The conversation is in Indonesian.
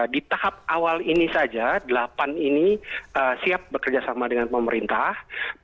di tahap awal ini saja delapan ini siap bekerjasama dengan pemerintah